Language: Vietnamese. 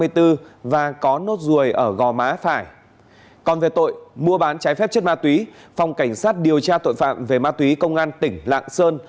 trái phép chất ma túy phòng cảnh sát điều tra tội phạm về ma túy công an tỉnh lạng sơn